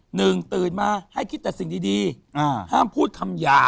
ตื่นมาให้คิดแต่สิ่งดีห้ามพูดคำหยาบ